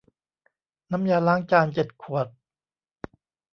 น้ำยาล้างจานเจ็ดขวด